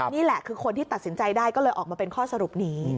นี่แหละคือคนที่ตัดสินใจได้ก็เลยออกมาเป็นข้อสรุปนี้